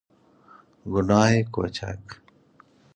گناه کوچک